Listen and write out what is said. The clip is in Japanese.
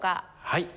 はい。